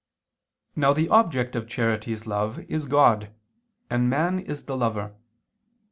Now the object of charity's love is God, and man is the lover.